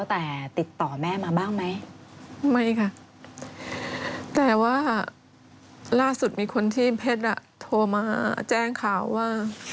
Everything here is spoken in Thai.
แต่ว่าล่าสุดมีคนที่เพศโทรมาแจ้งข่าวว่า